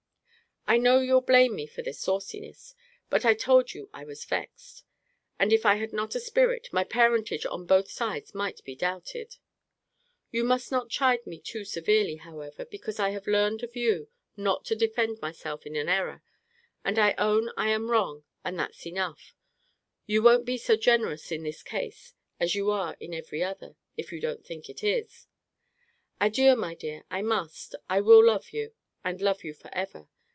I know you'll blame me for this sauciness but I told you I was vexed; and if I had not a spirit, my parentage on both sides might be doubted. You must not chide me too severely, however, because I have learned of you not to defend myself in an error: and I own I am wrong: and that's enough: you won't be so generous in this case as you are in every other, if you don't think it is. Adieu, my dear! I must, I will love you, and love you for ever!